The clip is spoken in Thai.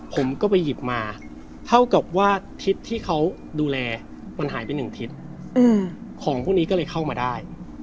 ผมก็ไปหยิบมาเท่ากับว่าทิศที่เขาดูแลมันหายไปหนึ่งทิศของพวกนี้ก็เลยเข้ามาได้